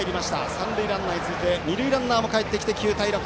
三塁ランナーに続いて二塁ランナーもかえってきて９対６。